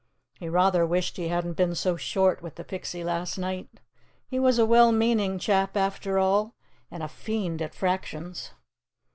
He rather wished he hadn't been so short with the Pixie last night. He was a well meaning chap, after all, and a fiend at fractions.